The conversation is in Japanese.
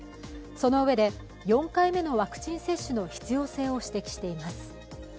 そのうえで、４回目のワクチン接種の必要性を指摘しています。